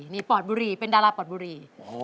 นี่ปอดบุรีเป็นดาราปอดบุรี